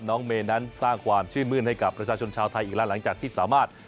เมย์นั้นสร้างความชื่นมื้นให้กับประชาชนชาวไทยอีกแล้วหลังจากที่สามารถ